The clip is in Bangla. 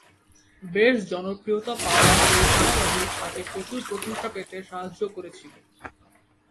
বেশ জনপ্রিয়তা পাওয়া এই ধারাবাহিক তাঁকে প্রচুর প্রশংসা পেতে সাহায্য করেছিল।